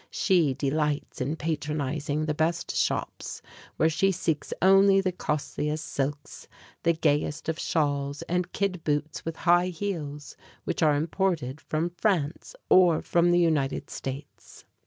She delights in patronizing the best shops, where she seeks only the costliest silks, the gayest of shawls, and kid boots with high heels, which are imported from France or from the United States.